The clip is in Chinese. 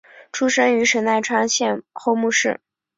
出身于神奈川县厚木市。